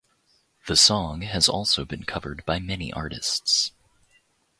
The song has also been covered by many artists.